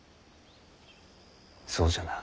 そうじゃな。